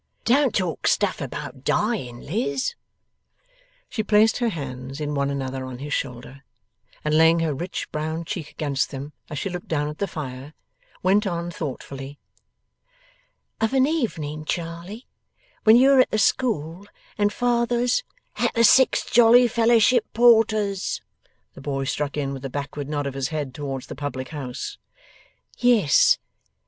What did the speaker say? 'Don't talk stuff about dying, Liz.' She placed her hands in one another on his shoulder, and laying her rich brown cheek against them as she looked down at the fire, went on thoughtfully: 'Of an evening, Charley, when you are at the school, and father's ' 'At the Six Jolly Fellowship Porters,' the boy struck in, with a backward nod of his head towards the public house. 'Yes.